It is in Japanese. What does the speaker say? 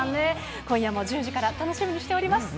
今夜も１０時から、楽しみにしております。